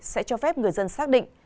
sẽ cho phép người dân xác định